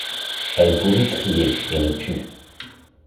Elle voulut crier, et ne put.